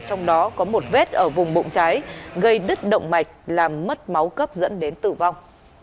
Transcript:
trong đó có một vết ở vùng bụng trái gây đứt động mạch làm mất máu cấp dẫn đến tử vong